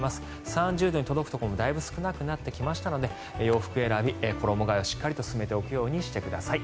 ３０度に届くところもだいぶ少なくなってきましたので洋服選び、衣替えをしっかりと勧めておくようにしてください。